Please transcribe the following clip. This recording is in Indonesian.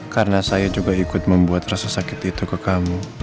karena saya juga ikut membuat rasa sakit itu ke kamu